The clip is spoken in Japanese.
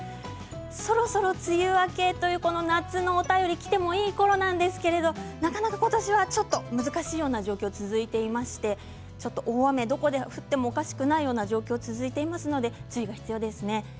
そろそろ梅雨明けという夏のお便りきてもいいころなんですけれどもなかなか今年はちょっと難しいような状況が続いていまして大雨がどこで降ってもおかしくないような状況が続いていますので注意が必要ですね。